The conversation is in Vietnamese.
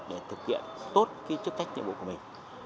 để thực hiện tốt cái chức tách nhiệm vụ của mình